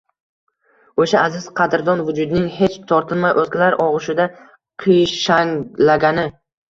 Oʼsha aziz, qadrdon vujudning hech tortinmay oʼzgalar ogʼushida qiyshanglagani…